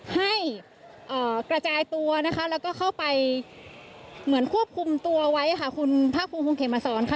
ให้กระจายตัวนะคะแล้วก็เข้าไปเหมือนควบคุมตัวไว้ค่ะคุณภาคภูมิคุณเขมมาสอนค่ะ